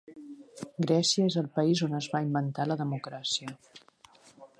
Grècia és el país on es va inventar la democràcia.